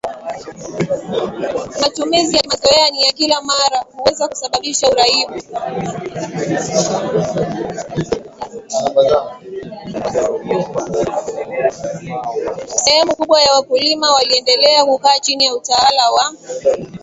sehemu kubwa ya wakulima waliendelea kukaa chini ya utawala wa